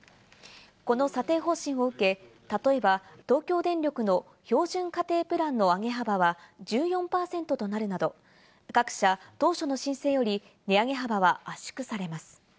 この査定方針を受け、例えば東京電力の標準家庭プランの上げ幅は１４％となるなど、各社、当初の申請より値上げ幅は圧縮されます。